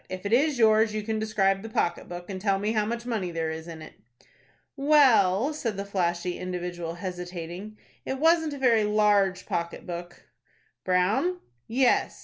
If it is yours you can describe the pocket book, and tell me how much money there is in it." "Well," said the flashy individual, hesitating, "it wasn't a very large pocket book." "Brown?" "Yes."